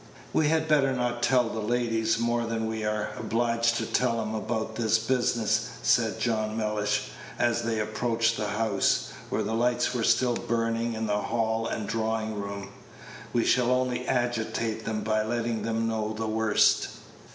"We had better not tell the ladies more than we are obliged to tell them about this business," said John Mellish, as they approached the house, where the lights were still burning in the hall and drawing room; "we shall only agitate them by letting them know the worst."